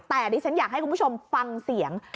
แต่ดิฉันอยากให้คุณผู้ชมฟังเสียง